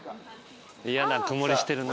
嫌な曇りしてるな。